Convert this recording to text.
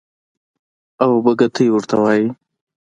او بګتۍ ورته وايي.